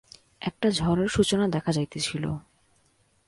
একটা ঝড়ের সূচনা দেখা যাইতেছিল।